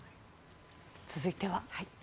続いては。